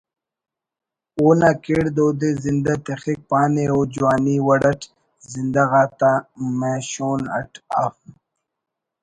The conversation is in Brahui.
اونا کڑد اودے زندہ تخک پانے او جوانی وڑ اٹ زندہ غاتا مہشون اٹ اف